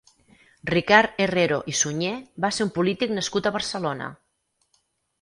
Ricard Herrero i Suñer va ser un polític nascut a Barcelona.